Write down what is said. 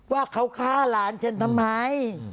ว่าเขาฆ่าหลานฉันทำไม